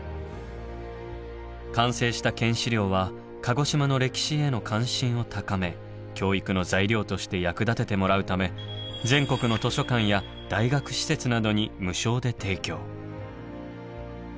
完成した県史料は鹿児島の歴史への関心を高め教育の材料として役立ててもらうため全国の図書館や大学施設などに無償で提供。